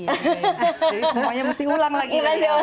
jadi semuanya mesti ulang lagi